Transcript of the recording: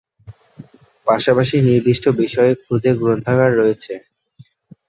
পাশাপাশি নির্দিষ্ট বিষয়ে ক্ষুদে গ্রন্থাগার রয়েছে।